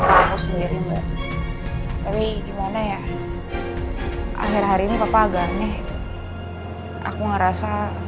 itu aja bagus